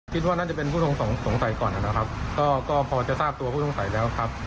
คิดว่าน่าจะเป็นผู้ต้องสงสัยก่อนนะครับก็พอจะทราบตัวผู้ต้องสัยแล้วครับ